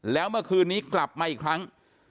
แล้วเมื่อคืนนี้กลับมาอีกครั้ง